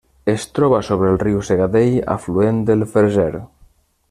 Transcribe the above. Es troba sobre el riu Segadell, afluent del Freser.